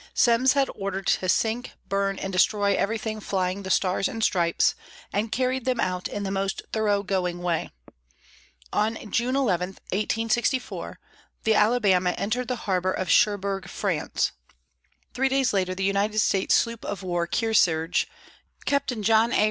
Semmes had orders to sink, burn, and destroy everything flying the Stars and Stripes, and carried them out in the most thorough going way. On June 11, 1864, the Alabama entered the harbor of Cherbourg, France. Three days later, the United States sloop of war Kearsarge, Captain John A.